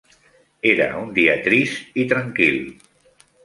Era un dia trist i tranquil.